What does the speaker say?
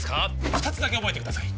二つだけ覚えてください